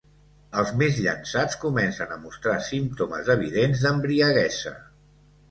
Els més llançats comencen a mostrar símptomes evidents d'embriaguesa.